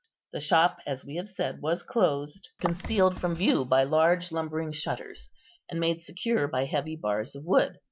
The shop, as we have said, was closed, concealed from view by large lumbering shutters, and made secure by heavy bars of wood.